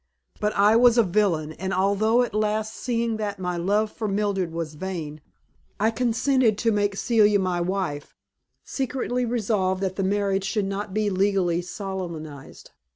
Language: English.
But I was a villain; and although at last seeing that my love for Mildred was vain, I consented to make Celia my wife, secretly resolved that the marriage should not be legally solemnized.